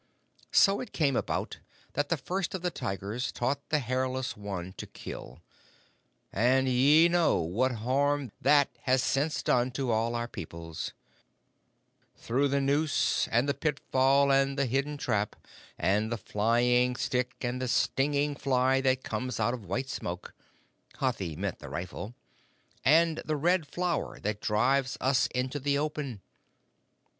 So it came about that the First of the Tigers taught the Hairless One to kill and ye know what harm that has since done to all our peoples through the noose, and the pitfall, and the hidden trap, and the flying stick, and the stinging fly that comes out of white smoke [Hathi meant the rifle], and the Red Flower that drives us into the open.